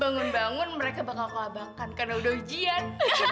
bangun bangun mereka bakal kelabakan karena udah ujian